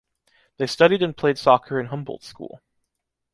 They studied and played soccer in Humboldt school.